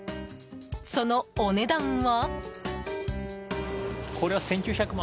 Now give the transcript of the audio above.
そのお値段は？